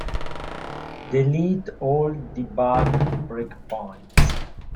Delete all debug breakpoints.